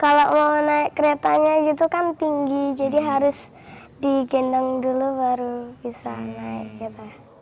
kalau mau naik keretanya gitu kan tinggi jadi harus digendong dulu baru bisa naik gitu